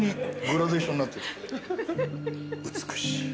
美しい。